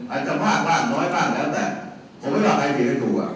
อาจจะมากบ้างน้อยบ้างแล้วแต่ผมไม่รู้ว่าใครผิดกันถูกอะ